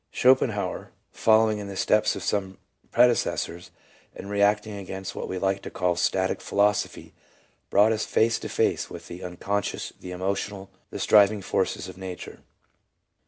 Schopenhauer, following in the steps of some predecessors, and reacting against what we like to call static philosophy, brought us face to face with the unconscious, the emotional, the striv ing forces of nature.